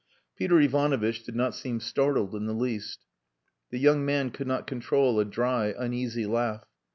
Peter Ivanovitch did not seem startled in the least. The young man could not control a dry, uneasy laugh.